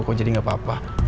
kok jadi gak apa apa